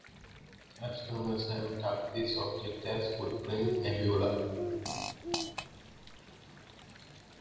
Astronomers have dubbed this object as the Footprint Nebula.